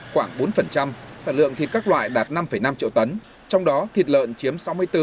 khoảng bốn sản lượng thịt các loại đạt năm năm triệu tấn trong đó thịt lợn chiếm sáu mươi bốn sáu mươi bảy